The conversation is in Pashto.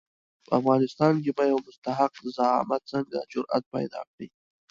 په افغانستان کې به یو مستحق زعامت څنګه جرآت پیدا کړي.